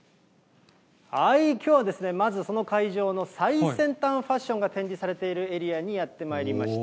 きょうは、まずその会場の最先端ファッションが展示されているエリアにやってまいりました。